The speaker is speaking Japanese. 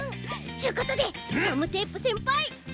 ちゅことでガムテープせんぱい。